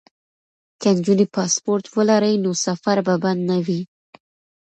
که نجونې پاسپورټ ولري نو سفر به بند نه وي.